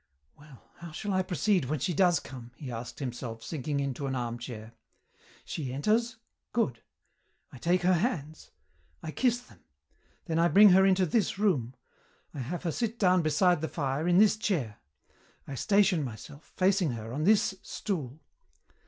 "Well, how shall I proceed when she does come?" he asked himself, sinking into an armchair. "She enters. Good. I take her hands. I kiss them. Then I bring her into this room. I have her sit down beside the fire, in this chair. I station myself, facing her, on this stool.